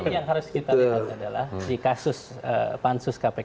yang harus kita lihat adalah di kasus pansus kpk